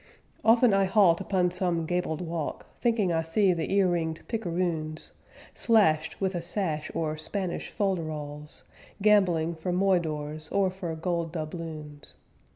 Often I halt upon some gabled walk, Thinking I see the ear ringed picaroons, Slashed with a sash or Spanish folderols, Gambling for moidores or for gold doubloons.